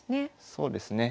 そうですね。